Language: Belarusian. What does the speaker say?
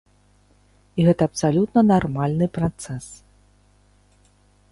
І гэта абсалютна нармальны працэс.